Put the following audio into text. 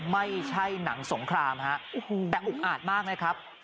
ไม่ใช่หนังสงครามฮะแต่อุกอาจมากนะครับ